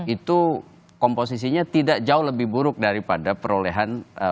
itu komposisinya tidak jauh lebih buruk daripada perolehan